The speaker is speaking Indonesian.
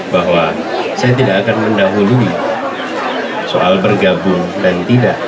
bahwa saya tidak akan mendahului soal bergabung dan tidak